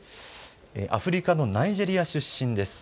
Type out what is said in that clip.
アフリカのナイジェリア出身です。